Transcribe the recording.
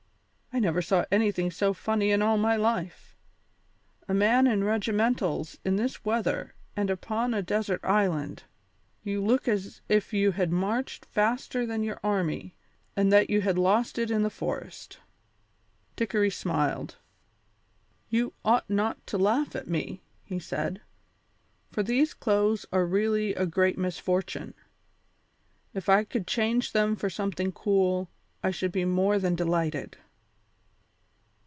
"I never saw anything so funny in all my life. A man in regimentals in this weather and upon a desert island. You look as if you had marched faster than your army, and that you had lost it in the forest." Dickory smiled. "You ought not to laugh at me," he said, "for these clothes are really a great misfortune. If I could change them for something cool I should be more than delighted."